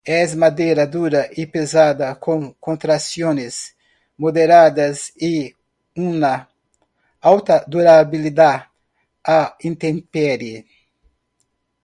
Es madera dura y pesada con contracciones moderadas y una alta durabilidad a intemperie.